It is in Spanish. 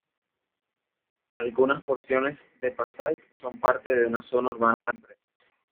Algunas porciones de Passaic son parte de una Zona Urbana de Empresas.